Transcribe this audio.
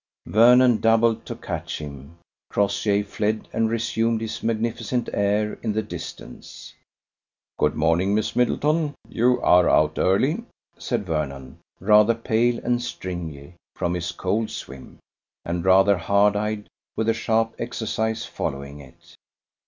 Vernon doubled to catch him. Crossjay fled and resumed his magnificent air in the distance. "Good morning, Miss Middleton; you are out early," said Vernon, rather pale and stringy from his cold swim, and rather hard eyed with the sharp exercise following it.